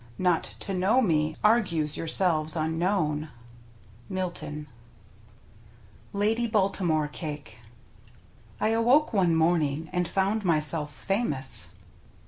Not to know me argues yourselves unknown, — Milton. ■^''^^ "LADY BALTIMORE" CAKE I awoke one morning and found myself famous.